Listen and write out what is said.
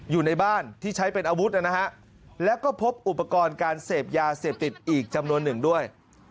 อยู่ในบ้านที่ใช้เป็นอาวุธนะฮะแล้วก็พบอุปกรณ์การเสพยาเสพติดอีกจำนวนหนึ่งด้วย